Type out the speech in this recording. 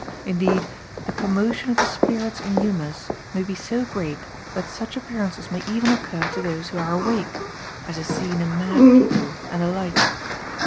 Indeed, the commotion of the spirits and humors may be so great that such appearances may even occur to those who are awake, as is seen in mad people, and the like.